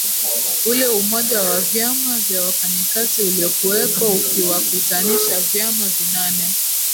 ule umoja wa vyama vya wafanyikazi uliokuwepo ukiwakutanisha vyama vinane